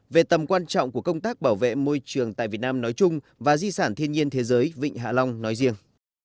về tầm quan trọng của công tác bảo vệ môi trường tại việt nam nói chung và di sản thiên nhiên thế giới vịnh hạ long nói riêng